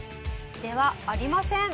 ではありません。